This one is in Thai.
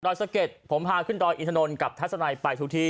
ดอยสะเก็ดผมพาขึ้นดอยอีธนลกับทัศนัยไปทุกที่